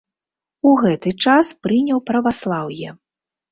У гэты час прыняў праваслаўе.